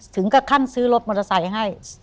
ถึงขั้นซื้อรถมอเตอร์ไซค์ให้